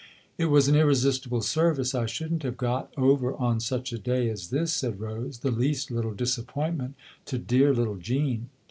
"It was an irresistible service. I shouldn't have got over on such a day as this," said Rose, " the least little disappointment to dear little Jean."